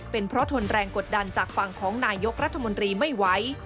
เป็นเพราะทนแรงกดดันจากฝั่งของนายกรัฐมนตรีไม่ไหว